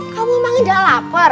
kamu emang enggak lapar